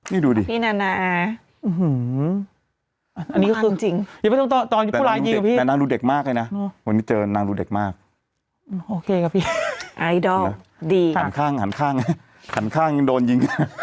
หันข้างยังโดนยิงคนแบบนี้